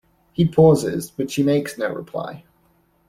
He pauses, but she makes no reply.